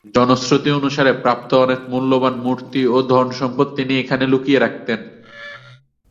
জনশ্রুতি অনুসারে, প্রাপ্ত অনেক মূল্যবান মূর্তি ও ধনসম্পদ তিনি এখানে লুকিয়ে রাখতেন।